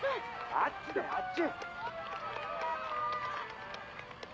あっちあっち。